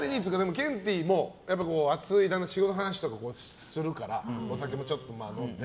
ケンティーも熱い仕事の話とかをするからお酒も飲んで。